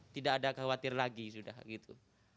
tidak ada khawatir lagi sudah gitu